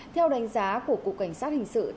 theo đánh giá của cục cảnh sát hình sự